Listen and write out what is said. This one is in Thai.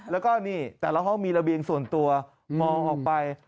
แต่ของเราก็มีระเบียงส่วนตัวมองออกไป